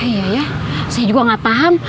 iya ya saya juga nggak paham